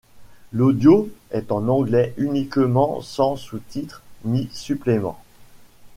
L'audio est en anglais uniquement sans sous-titres ni suppléments.